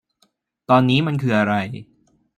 ตอนนี้มันคืออะไร